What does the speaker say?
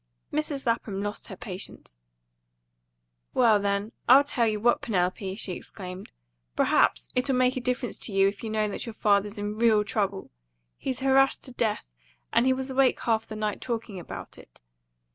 Mrs. Lapham lost her patience. "Well, then, I'll tell you what, Penelope!" she exclaimed. "Perhaps it'll make a difference to you if you know that your father's in REAL trouble. He's harassed to death, and he was awake half the night, talking about it.